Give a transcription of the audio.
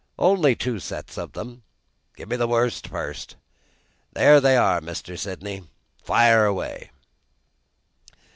"Only two sets of them." "Give me the worst first." "There they are, Sydney. Fire away!"